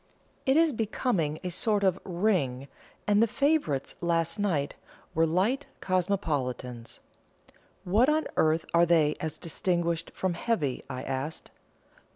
It is becoming a sort of 'ring,' and the favourites last night were light Cosmopolitans." "What on earth are they as distinguished from heavy?" I asked.